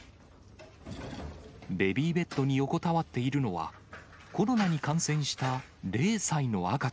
ベビーベッドに横たわっているのは、コロナに感染した０歳の赤ち